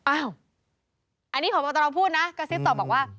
อ้าวอันนี้พ่อบอตรอพูดนะกระซิบตกบอกว่า